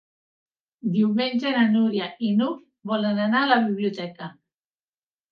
Diumenge na Núria i n'Hug volen anar a la biblioteca.